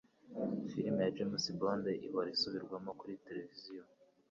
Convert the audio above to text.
Filime ya James Bond ihora isubirwamo kuri tereviziyo